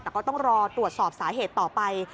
แต่ก็ต้องรอตรวจสอบสาเหตุต่อไป